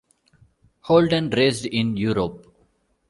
Holden raced in Europe.